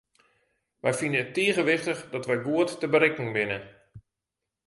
Wy fine it tige wichtich dat wy goed te berikken binne.